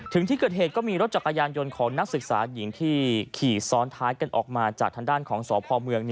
ถึงที่เกิดเหตุก็มีรถจักรยานยนต์ของนักศึกษาหญิงที่ขี่ซ้อนท้ายกันออกมาจากทางด้านของสพเมือง